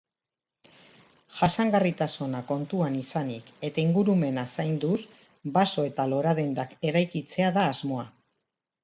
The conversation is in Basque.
Jasangarritasuna kontuan izanik eta ingurumena zainduz, baso eta loradendak eraikitzea da asmoa.